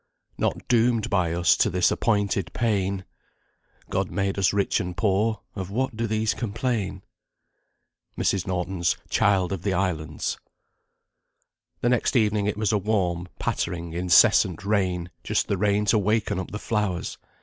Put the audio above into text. Not doomed by us to this appointed pain God made us rich and poor of what do these complain?" MRS. NORTON'S "CHILD OF THE ISLANDS." The next evening it was a warm, pattering, incessant rain, just the rain to waken up the flowers.